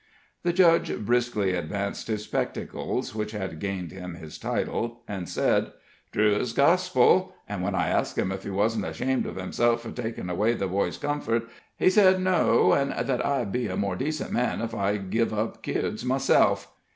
The judge briskly advanced his spectacles, which had gained him his title, and said: "True ez gospel; and when I asked him ef he wasn't ashamed of himself fur takin' away the boy's comfort, he said No, an' that I'd be a more decent man ef I'd give up keards myself."